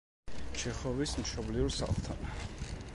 ჩეხოვის მშობლიურ სახლთან.